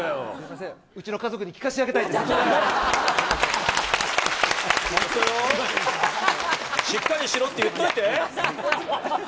うちの家族に聞かせてあげたしっかりしろって言っといて。